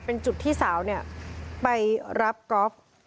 เป็นจุดที่สาวเนี่ยไปรับก๊อฟ